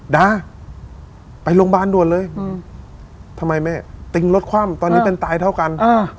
ดาไปโรงบาลร่วมนับเลยไม่แม่ตรงนี้เป็นตายเท่ากัน